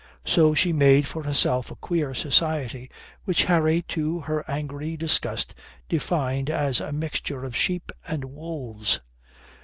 So she made for herself a queer society, which Harry to her angry disgust defined as a mixture of sheep and wolves.